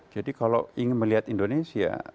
jadi kalau ingin melihat indonesia